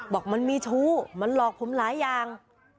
บอกมันมีชู้มันหลอกผมหลายอย่าง